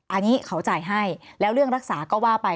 อันนี้เขาจ่ายให้แล้วเรื่องรักษาก็ว่าไป